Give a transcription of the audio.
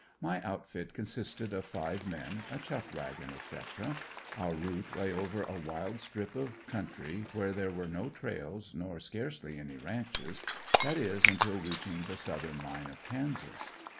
My outfit consisted of five men, a chuck wagon, etc. Our route lay over a wild strip of country where there was no trails nor scarcely any ranches that is, until reaching the southern line of Kansas.